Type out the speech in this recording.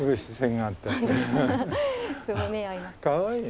かわいいね。